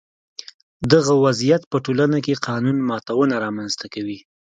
دغه وضعیت په ټولنه کې قانون ماتونه رامنځته کوي.